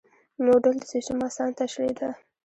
موډل د سیسټم اسانه تشریح ده.